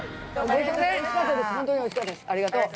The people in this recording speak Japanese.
ありがとう。